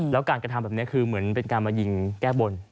แล้วการกระทำแบบนี้คือเหมือนเป็นการมายิงแก้บน